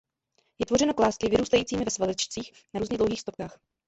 Je tvořeno klásky vyrůstajícími ve svazečcích na různě dlouhých stopkách.